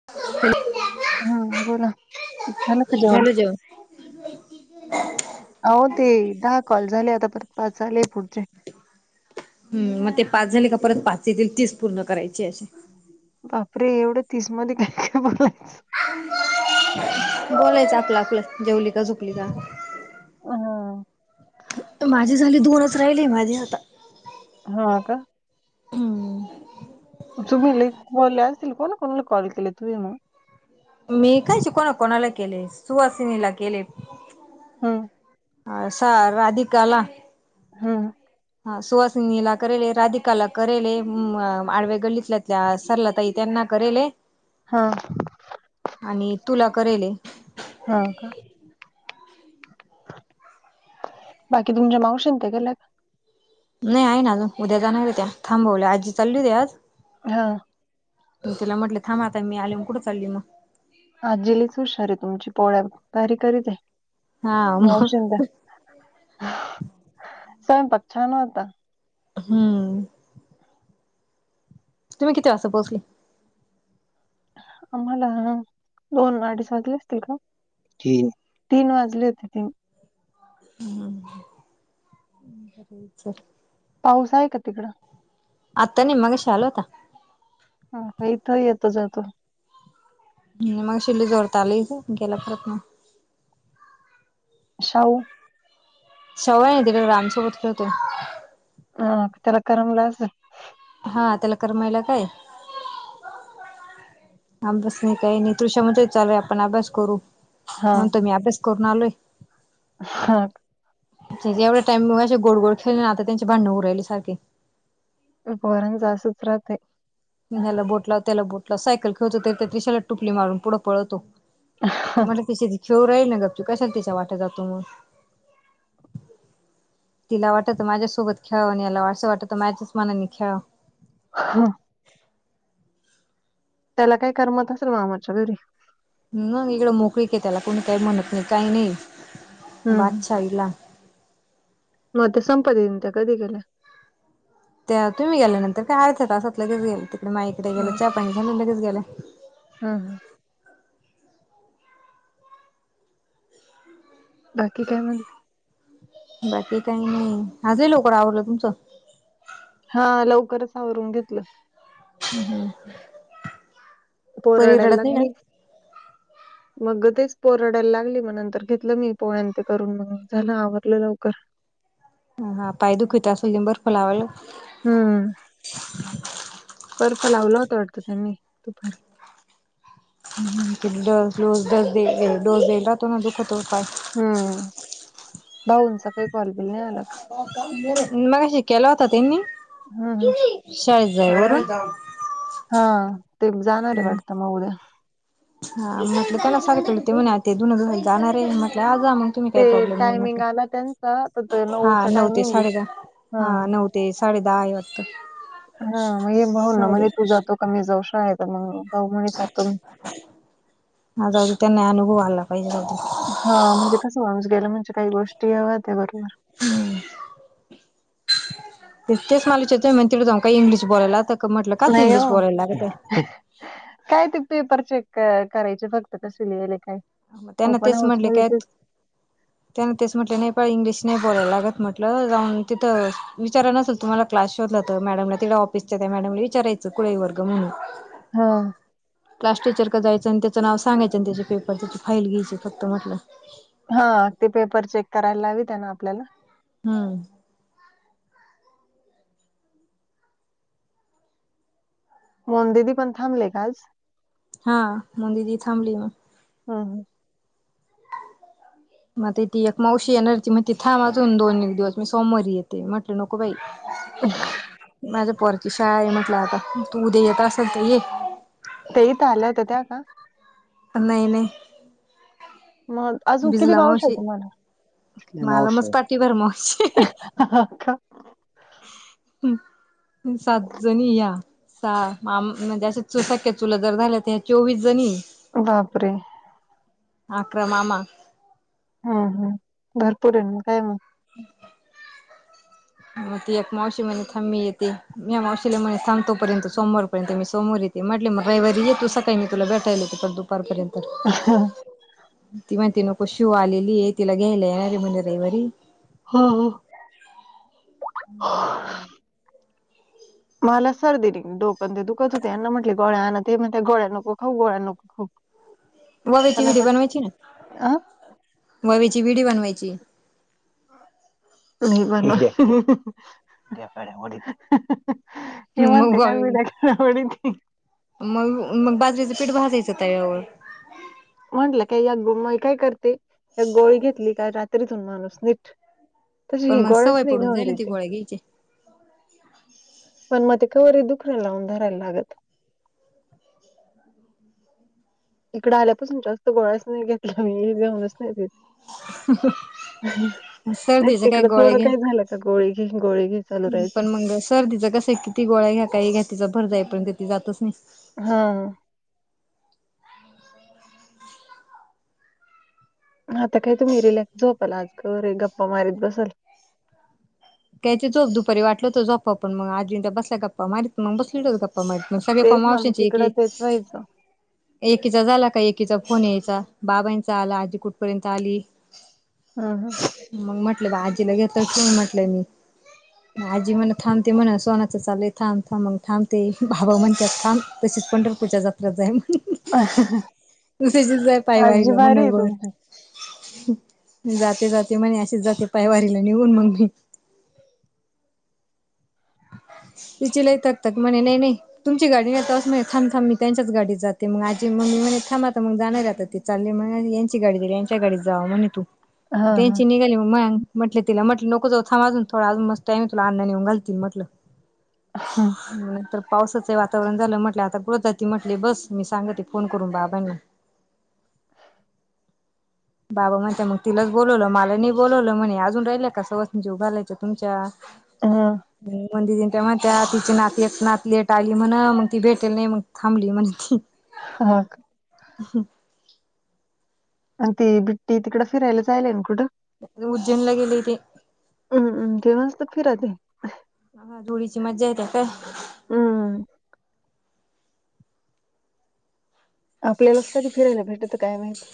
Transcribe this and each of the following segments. [inaudible] हम्म बोला झालं का जेवण. अहो ते दहा कॉल झाले आता परत पाच झाले पुढचे हम्म मग ते पाच झाले का परत पाच येतील तीस पूर्ण करायचे अशे. बापरे एवढं तीस मध्ये काय काय बोलायचं. बोलायचं आपलं आपलं, जेवली का, झोपली का? हम त माझे झाले दोनच राहिले माझे आता हा का? हम्म तुम्ही लय बोलल्या असतील, कोणा कोणाला कॉल केले तुम्ही मग? मी कायची कोणा कोणाला केले, सुवासिनीला केले हम्म अ सा राधिकाला हम्म हा सुहसिनीला करेले, राधिकाला करेले म आडवे गल्लीतल्या त्या सरलाताई त्यांना करेले. हा आणि तुला करेले. हा का? बाकी तुमच्या मावशी अन ते गेल्या नाही आहे ना अजून, उद्या जाणार आहे त्या थांबवल्या, आजी चालली होते आज हा म तिला म्हटलं थांब आता, मी आले मग कुठे चालली मग? आजी लयच हुशार आहे तुमची, पोळ्या भारी करीत आहे, हा मावशी मग अन त्या. स्वयंपाक छान होता. हम्म तुम्ही किती वाजता पोहोचले? आम्हाला, आ दोन अडीच वाजले असतील का? तीन, तीन वाजले होते तीन. हम्म च पाऊस आहे का तिकडं? आता नाही, मगाशी आला होता. हा का, इथं ही येतो जातो. हम्म, मगाशी लय जोरात आला इथं, गेला परत मग. शाऊ साऊ आहे ना तिकडं, राम्यासोबत खेळतो. हा त्याला करमलं असल. हा त्याला करमायला काय? अभ्यास नाही काही नाही, तुश्या म्हणतोय चालूया आपण अभ्यास करू. हा म्हणतोय मी अभ्यास करून आलोय. हा एवढ्या टाईम अशे गोड गोड खेळले, आता त्यांची भांडण होऊ राहिली सारखे. पण पोराचं असच राहतंय. ह्याला बोट लाव, त्याला बोट लाव सायकल खेळतोय तर त्या तिशाला टुपली मारून पुढं पळतो. म्हणलं तिची ती खेळू राहीली ना गपचूप, कशाला तिच्या वाटं जातो मग? तिला वाटत माझ्या सोबत खेळावं, आणि याला असं वाटत माझ्याच मनाने खेळावं. ह त्याला काय करमत असेल मामाच्या घरी? मग इकडं मोकळीक त्याला, कोणी काही म्हणत नाही काही नाही, हम्म [unintelligible] म ते संपत येईल ते, त्या कधी गेल्या? त्या तुम्ही गेल्या नंतर काय अर्ध्या तासात लगेच गेल्या, तिकडे माईकडे गेले चहा पानी झाला लगेच गेल्या. हम्म हम्म बाकी काय म्हणते? बाकी काही नाही, आज लय लवकर आवरलं तुमचं. हा लवकरच आवरून घेतलं. हम् हम पोर रडायेल लागली ना मग तेच पोरडायला लागली मग नंतर घेतलं मी पोळ्यां ते करून मग झाला आवरलं लवकर ह हा पाय दुखत असुन बर्फ लावाला हम्म बर्फ लावला होता वाटत त्यांनी दुपारी हम ह किती दिवस डोस देल डोस देलता तो ना दुःख होता पाय हम्म भाऊंचा काही कॉलबिल नाही आला का काही बोलत नाही मगाशी केला होत त्यांनी हम् हम शाळेत जाय बर हा आ ते जाणार आहे वाटतं मग उद्या हा म्हटलं त्याला सांगितलं होत ते म्हणा आत्या धून धुवायला जाणार आहे म्हटल जा मग तुम्ही ते काही प्रॉब्लेम नाही टायमिंग आला त्यांचा, तर ते म्हटलं नऊ ते टायमिंग आहे. साडे दाहा हा हां, नऊ ते साडेे दहा वाजता हा मग हे भाऊ ना म्हणेज तू जातो का मी जाऊशा आहे मग भाऊ म्हणे जातो मी आज त्यांना अनुभव आला पाहिजेल अजून हा म्हणजे कस माणूस गेल म्हणजे काही गोष्टी हव्या होत्या घरून हम् तेच मालाचतोय म्हण ति जाऊ का इंग्लिश बोलायला तर म्हटलं काच नाही इंग्लिश हो, बोलायला लागतय काय ते पेपर चेक करायचे फक्त कस लिहिले काय मग त्यांना ओपन तेच हाउस म्हटले काय मध्ये त्यान तेच म्हटलं नेपाळ पइंग्लिश नाही बोलायला लागत म्हटलं जाऊन तिथं विचाराय नसेल तुम्हाला क्लास शोधला तर मॅडमला ति ऑफिसच्या त्या मॅडमला विचारायचं कुळी वर्ग म्हणून हा क्लास टीचर का जायचं आणि त्याचं नाव सांगायचं आणि त्याचे पेपर त्याची फाईल घ्यायची फक्त म्हटलं. हा ते पेपर चेक करायला हवीत ना आपल्याला. हम्म. मोनुदिदी पण थांबले का आ? हा मोनुदीदी थांबली ना. हम ह. मग आता ती एक मावशी येणारी होती मग थांब अजून दोन एक दिवस मी सोमवारी येते मग. म्हटलं नको बाई. [inaudible] माझ्या पोरची शाळा आहे म्हटलं आता तू उद्या येत असेल तर ये. त्या इथ आल्या होत्या त्या का? नाही नाही. मग अजून किती भिजला मावश आहे मावशी तुम्हाला मला मावश मच आहे. पाठीभर मावशी [unintelligible] सात जणी या. सहा म्हणजेे अस सक्या चुलंत जर झाल्या तर ह चोवीस जणी बापरे! ! अकरा मामा हम हम भरपूर आहे म काय मग. ह मग ती एक मावशी म्हणे थांब मी येते मी मावशीला मन्हे थांब तो पर्यंत सोमवारपर्यंत मी सोमवर येते. ते म्हटले मग रविवारी येतो सकाळी मी तुला भेटायला होते तर दुपारपर्यंत ह ह. ती म्हणती नको शिव आलेली तिला घ्यायलाय येणार रे म्हणे रविवारी. हा हा. हम् ह. मला सर्दी आणि डोकं ते दुखत होते यांना म्हटले गळ्या आण ते गळ्या नको खऊ गोळ्या नको. खूप ववेची व्हिडीओ बनवायची ना अं? ववेची व्हिडी बनवायची नाही बनवले [inaudible] मी म्हणते मग काय वेड्या [inaudible] मग मग बाजरीचं पीठ भाजायचं तव्यावर म्हंटलं काय या म काय करते एक गोळी घेतली काय रात्रीतून माणूस नीट तशी ही गोळ्याच नाही न देते हगचे [inaudible] पण मग ते कवरे दुखणें लावून धरायला लागत [inaudible] इकड आल्यापासून जास्त गोळा्याच नाही घेतला मी घेऊनच नाही त ह हम नाही तिकडं थोडं काय झालं का गोळी घी गोळी घी चालू राहायचं ती गोळा घ्या काही घ्या तिचा भर जाईपर्यंत ती जातच नाही हा आता काय तुम्ही रिलॅक्स झोपाला आज घे गप्पा मारीत बसाल काय झोप दुपारी वाटल होत जो्पा पण मग आजी बसला गप्पा मारत मग बसले हो गप्पा तेच [inaudible] ना मग मावशी ची एक तिकडं [inaudible] तेच व्हायचं. एकीचा झाला का एकीचा फोन यायचा बाबांचा आला आजी कुठपर्यंत आली हम हम मग म्हटले बा आजीला घेत क म्हटलंय मी आजी म्हण थांबते म्हण सोनाचं चालू थांब थांब मग थांबते भाबा म्हणतात थांब तसेच पंढरपूरा जात ण दुस्याचीचय पाय आजी वाहिलं भारी आहे मनबर [inaudible] तुमची. जाते जाते म्हणे असेच जाते पायवारीला निघून मग मी तिचे लय तक तक म्हणे नाही नाही तुमची गाडी नेतो [inaudible] अस थांबथांब मी त्यांच्याच गाडीत जाते मग आजी म्मी म्हणे थांबा आता मग जाणार आता ति चालले म्ह यांची गाडी दिली यांच्या गाडीत जावा म्हणे तू हा हा. त्यांची निघाली मग म म्हटल तिला म्हट नको जाऊ थांब अजून थोडा मस्त टईम आहे तुला अन् नेऊन घालतील म्हट लं [inaudible] हा नंतर पावसाचे वातावरण झालं म्हटलं आता बग जाती म्हटल बस मी सांगते फोन करून बाबांनी बाबा म्हणता मग तिलाच बोलवलं माला नाही बोलवलं म्हणे अजून राहिल का सावसनी जेऊ घालायच्या तुमच्या हा म त्या तिची नात एक नात लेट आली म्हण मग ती भेटेल नाही मग थांबली म्हण ती हा क ह आणि ती बिट्टी तिकडं फिरायला जाईल हे ना कुठं उज्जैनला गेले ती हम्मम् तेव्हा असत फिराते हा धुळीची मज्जा येते काय हम् आपल्यालाच कधी फिरायला भेटत काय माहिती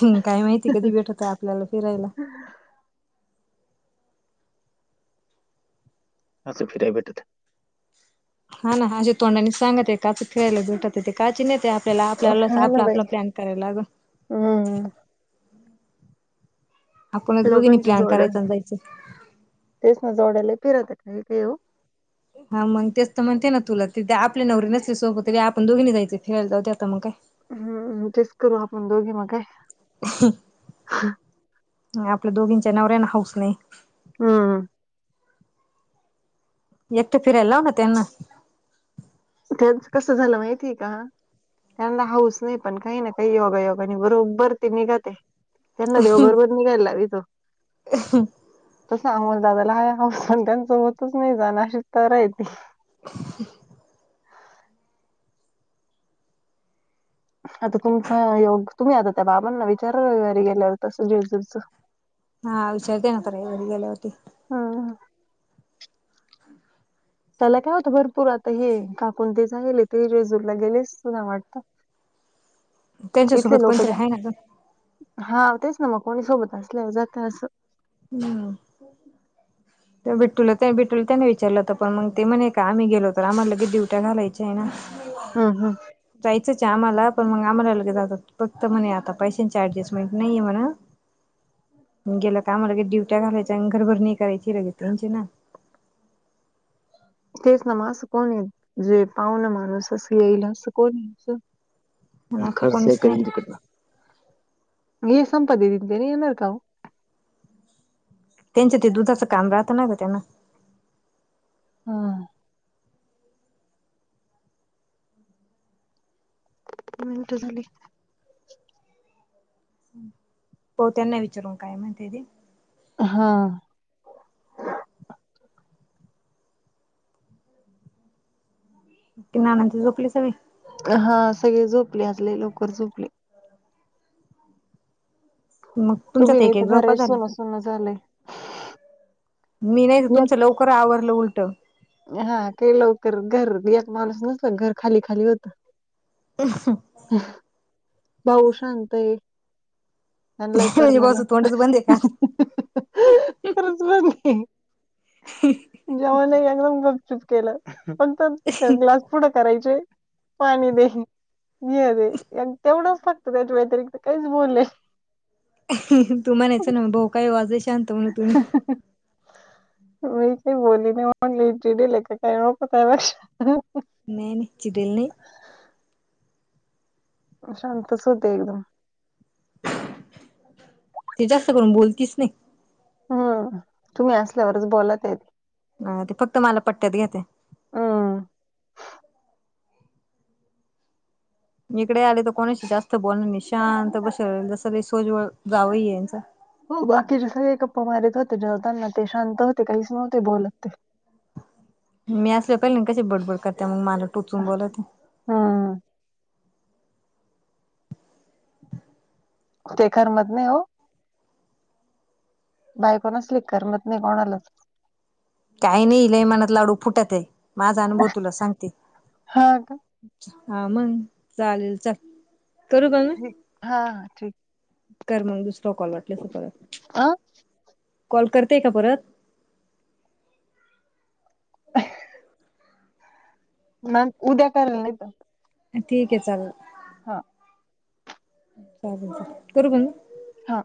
हम काय माहिती कधी भेटत आपल्याला फिरायला अस फिराय भेटत हा ना हाजे तोंडानीच सांगत एकाच खेळायला झुटत येते काची नाहीेते आपल्याला आपल्याला हा ना आपला बाई. आपला प्लॅन करायला लाग हम्म आपणच दोघींनी लोकांची प्लॅन जोड्या करायचां आणि जायचं तेच न जोड्या लय फिरत हे हा मग तेच तर म्हणते ना तुला तिथे आपली नवरे नसले सोबत त काय आपण दोघीनी जायचे फिरायला जाऊदे आता मंग काय हम्म तेच करू आपण दोघी मंग काय? म आपल्या दोघींच्या नवऱ्याना हाऊस नाही. हा एकट फिरयला लाव ना त्यांना त्यांचं कसं झालं माहितीय का त्यांना हाऊस नाय पण काही ना काही योगायोगाने बरोबर ते निघते. त्यांना देव बरोबर निघायला लावीतो. तो सामंवणं दादाला हाय हौस पण त्यांच होतच नाय जाण अशी तरा आहे ती [unintelligible] आता तुमचा योग तुम्ही आता त्या बाबांना विचारा रविवारी गेल्यावर तसं जेंजूरचं हा विचारते ना आता रविवारी गेल्यावरती. हा त्याला काय होतं भरपूर आता हे काकून ते झायेले ते जेजूरला गेलेस ना वाटतं. इथले त्यांच्यासोबत लोक कोणतरी आहे जातात. ना ग हा तेच ना म कोणी सोबत असल्यावर जात असं हम्म [inaudible] त्या बिटूला त्या बिटूला त्याने विचारलं होत पण मंग ते म्हणे का आम्ही गेलो तर आम्हाला लगेचं डीवट्या घालायच्या आहे ना [unintelligible] हा हा जायचंच ये आम्हाला पण मंग आम्हाला लगेचं आता फक्त म्हणे आता पैशांची अऍडजस्टमेंट नाहीये म्हणा [unintelligible] गेलं का आम्हाला लगेचं डिवट्या घालायच्या अनं घरभरणी ही करायची लगेचं त्यांची ना तेच ना म अस कोण येत जे पाहुन माणूस असं येईल असं कोण ये चं आणि मं आपलं खर्च ई कोणीच नाही करीन तिकडं नय संपत्ती दिदी नं ते नय येणार का ओ त्यांचे ते दुधाचं काम राहतं ना ग त्यांना हं मिनट झाली. पाऊ त्यांना विचारून काय म्हणते तेे हा की नानानं ते झोपली सगळी हा सगळे झोपले आज लय लवकर झोपले. मग तू बी तुमच्यात नाय एक एक त घर झोपा लय सून्न झाली सुन्न झालंय. मी नाय टर एक तुमचं लवकर आवरलं उलट हा काय लवकर घर एक माणूस नसल क घर खाली खाली होत. [unintelligible] भाऊ शांत ये. आणि लय म्हणजे करम बस ना तोंडच बंद आहे खरंच बघ की जेवाला एकदम गपचूप केलं पण तनं थंड ग्लास पुढं करायचे पाणी दे हे दे एक तेवढंच फक्त त्याच्या व्यतिरिक्त काहीच बोलले तू म्हणायचं ना हो भाऊ काय ओ आज लय शांत म्हणून तुम्ही [unintelligible] मी काय बोलली नाय म्हणले चिडिले की काय [unintelligible] नाय नाय चिडिले नाही शांतच होते एकदम ते जास्त करून बोलतीस नाय. हं तुम्ही असल्यावरच बोलत्यात हा ते फक्त मला पट्टयात घेत्या. हम्म इकडे आले तर कोणाशी जास्त बोल नाही शांत बस जस सोजवळ जावं यांच हो बाकीचे सगळे गप्पा मारत होते जवताना ते शांत होते काहीच नव्हते बोलत ते मी असले पहिले कशी बडबड करते मग मला टोचून बोलवते हा. [inaudible] ते करमत नाही हो. बायकोण असली कर मत नाही कोणाला. काही नाही लयमानात लाडू फुटत आहे माझा अनुभव तुला सांगते! हा का हा मग चालेल ल करू का म ठीक हा हा ठीक कर मग दुसरा कॉल वाटलस परत अह. कॉल करतेय का परत.. म उद्या कायला नाहीेत. ठीक आहे चल. हा करू बंद. हा.